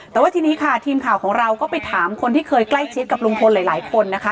แต่ว่าทีนี้ค่ะทีมข่าวของเราก็ไปถามคนที่เคยใกล้ชิดกับลุงพลหลายคนนะคะ